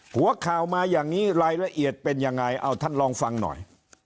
หัวข่าวมาอย่างนี้รายละเอียดเป็นยังไงเอาท่านลองฟังหน่อย